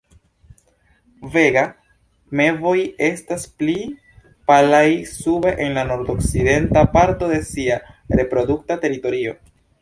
Vega mevoj estas pli palaj sube en la nordokcidenta parto de sia reprodukta teritorio.